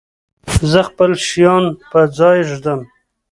زه خپل شیان په ځای ږدم.